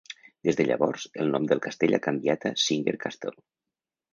Des de llavors, el nom del castell ha canviat a "Singer Castle".